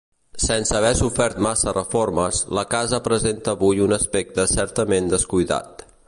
Sense haver sofert massa reformes, la casa presenta avui un aspecte certament descuidat.